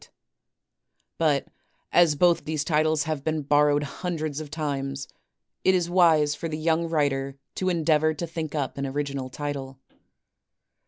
FINAL ADVICES 321 But as both these titles have been borrowed hundreds of times, it is wise for the young writer to endeavor to think up an original title.